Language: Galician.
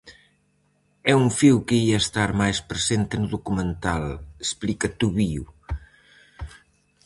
"É un fío que ía estar máis presente no documental", explica Tubío.